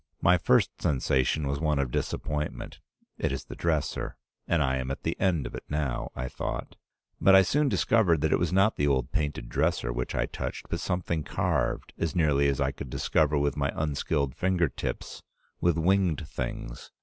My first sensation was one of disappointment. 'It is the dresser, and I am at the end of it now,' I thought. But I soon discovered that it was not the old painted dresser which I touched, but something carved, as nearly as I could discover with my unskilled finger tips, with winged things.